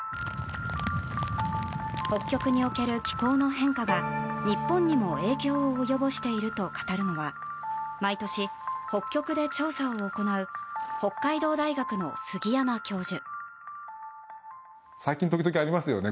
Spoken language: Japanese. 北極における気候の変化が日本にも影響を及ぼしていると語るのは毎年、北極で調査を行う北海道大学の杉山教授。